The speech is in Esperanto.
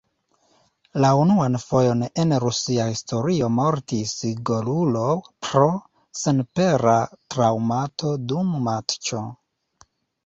La unuan fojon en rusia historio mortis golulo pro senpera traŭmato dum matĉo.